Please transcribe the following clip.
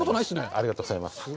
ありがとうございます。